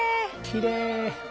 きれい。